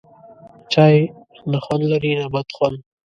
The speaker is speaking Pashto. چای، نه خوند لري نه بد خوند